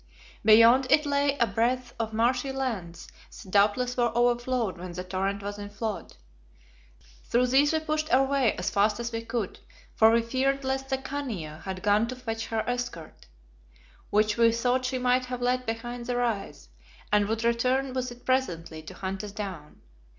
Beyond it lay a breadth of marshy lands, that doubtless were overflowed when the torrent was in flood. Through these we pushed our way as fast as we could, for we feared lest the Khania had gone to fetch her escort, which we thought she might have left behind the rise, and would return with it presently to hunt us down.